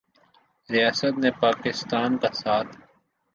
ریاست نے پاکستان کا ساتھ